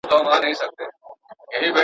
څومره دي لا وګالو زخمونه د پېړیو.